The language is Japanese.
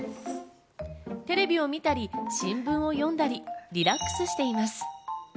テレビを見たり新聞を読んだり、リラックスしています。